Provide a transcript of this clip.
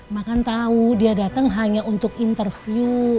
makan tau dia dateng hanya untuk interview